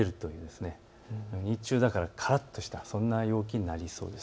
ですから日中からっとした、そんな陽気になりそうです。